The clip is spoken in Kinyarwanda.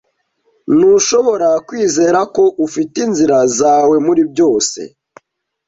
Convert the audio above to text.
Ntushobora kwizera ko ufite inzira zawe muri byose.